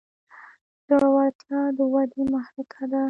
زړورتیا د ودې محرکه ده.